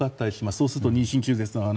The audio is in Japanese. そうすると妊娠中絶の話。